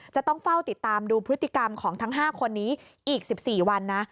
จะต้องเฝ้าติดตามดูพฤติกรรมของทั้ง๕คนนี้อีก๑๔วันนะ